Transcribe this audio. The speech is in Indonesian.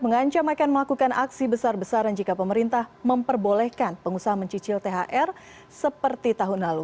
mengancam akan melakukan aksi besar besaran jika pemerintah memperbolehkan pengusaha mencicil thr seperti tahun lalu